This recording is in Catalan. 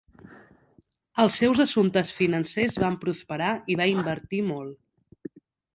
Els seus assumptes financers van prosperar i va invertir molt.